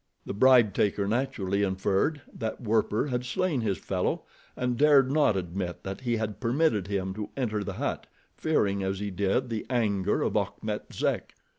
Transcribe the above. The bribe taker naturally inferred that Werper had slain his fellow and dared not admit that he had permitted him to enter the hut, fearing as he did, the anger of Achmet Zek.